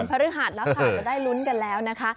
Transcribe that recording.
วันพฤหัสนะคะจะได้ลุ้นกันแล้วนะคะ